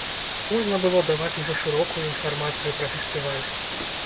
Позна было даваць ужо шырокую інфармацыю пра фестываль.